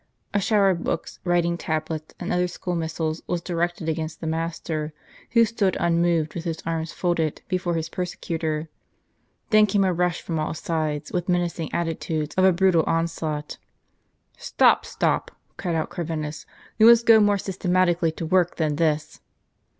A shower of books, writing tablets, and other school mis siles, was directed against the master, who stood unmoved, with his arms folded, before his persecutor. Then came a rush from all sides, with menacing attitudes of a brutal onslaught. " Stop, stop," cried out Corvinus, " we must go more sys tematically to work than this."